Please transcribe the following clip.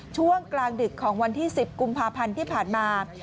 ช่วงกลางดึกของวันที่๑๐กุมภาพันธ์ที่ผ่านมา